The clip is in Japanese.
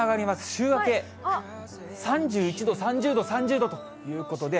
週明け３１度、３０度、３０度ということで。